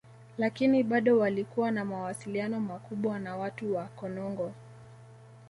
Lakini bado walikuwa na mawasiliano makubwa na watu wa Konongo